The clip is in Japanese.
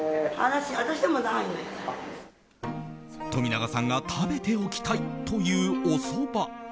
冨永さんが食べておきたいというおそば。